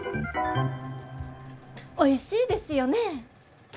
おいしいですよね？